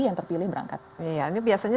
yang terpilih berangkat iya ini biasanya